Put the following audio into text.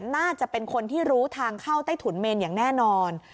น่าจะเป็นคนที่รู้ทางเข้าใต้ถุนเมนอย่างแน่นอน